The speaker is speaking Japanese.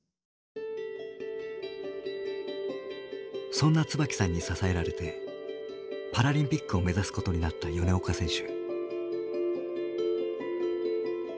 そんな椿さんに支えられてパラリンピックを目指すことになった米岡選手。